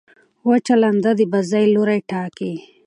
وچه لنده د بازۍ لوری ټاکي.